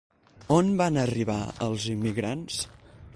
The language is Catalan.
On van arribar els immigrants?